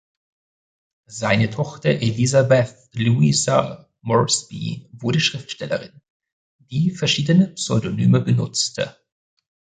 Seine Tochter Elizabeth Louisa Moresby wurde Schriftstellerin, die verschiedene Pseudonyme benutzte.